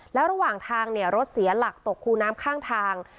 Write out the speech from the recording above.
แล้วระหว่างทางเนี่ยรถเสียหลักตกคูน้ำข้างทาง